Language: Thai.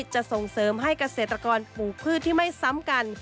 จะส่งเสริมให้เกษตรกรปลูกพืชที่ไม่ซ้ำกัน